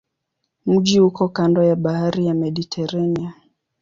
Mji uko kando ya bahari ya Mediteranea.